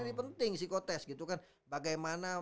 ini penting psikotest gitu kan bagaimana